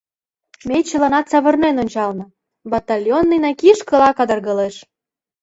Ме чыланат савырнен ончална: батальонныйна кишкыла кадыргылеш.